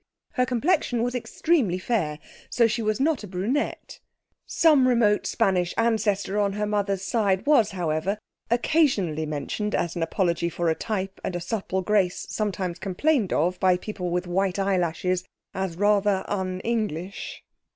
Her complexion was extremely fair, so she was not a brunette; some remote Spanish ancestor on her mother's side was, however, occasionally mentioned as an apology for a type and a supple grace sometimes complained of by people with white eyelashes as rather un English.